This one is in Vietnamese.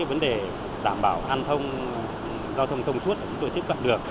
vấn đề đảm bảo an thông giao thông thông suốt để chúng tôi tiếp cận được